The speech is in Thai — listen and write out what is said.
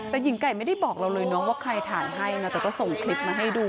แต่หญิงไก่ไม่ได้บอกเราเลยเนาะว่าใครถ่ายให้นะแต่ก็ส่งคลิปมาให้ดู